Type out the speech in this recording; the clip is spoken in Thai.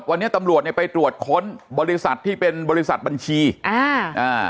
วันนี้ตำรวจเนี่ยไปตรวจค้นบริษัทที่เป็นบริษัทบัญชีอ่าอ่า